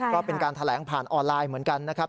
ก็เป็นการแถลงผ่านออนไลน์เหมือนกันนะครับ